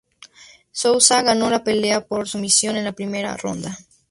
Souza ganó la pelea por sumisión en la primera ronda.